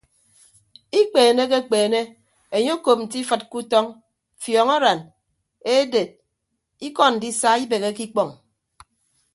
Ikpeenekekpeene enye okop nte ifịd ke utọñ fiọñaran eded ikọ ndisa ibeheke ikpọñ.